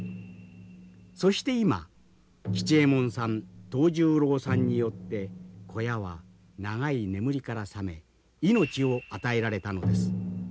そして今吉右衛門さん藤十郎さんによって小屋は長い眠りから覚め命を与えられたのです。